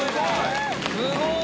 すごい！